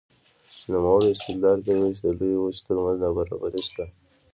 نوموړی استدلال کوي چې د لویو وچو ترمنځ نابرابري شته.